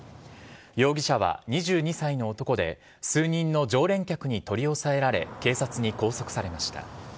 容疑者は２２歳の男で、数人の常連客に取り押さえられ、警察に拘束されました。